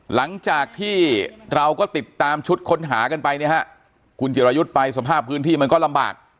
หลังจากที่เราก็ติดตามชุดค้นหากันไปเนี่ยฮะคุณจิรายุทธ์ไปสภาพพื้นที่มันก็ลำบาก